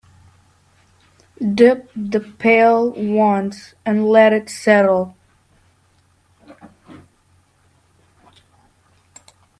Dip the pail once and let it settle.